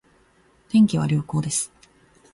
天気は良好です